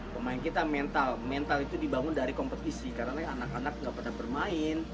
pemain kita mental mental itu dibangun dari kompetisi karena anak anak nggak pernah bermain